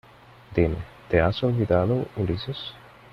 dime, ¿ te has olvidado , Ulises?